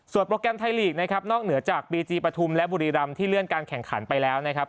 โปรแกรมไทยลีกนะครับนอกเหนือจากบีจีปฐุมและบุรีรำที่เลื่อนการแข่งขันไปแล้วนะครับ